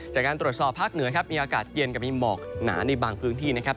จากการตรวจสอบภาคเหนือครับมีอากาศเย็นกับมีหมอกหนาในบางพื้นที่นะครับ